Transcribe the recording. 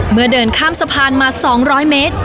เดินข้ามสะพานมา๒๐๐เมตร